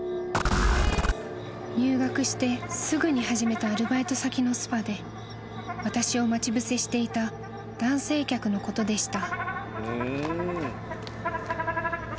［入学してすぐに始めたアルバイト先のスパで私を待ち伏せしていた男性客のことでした］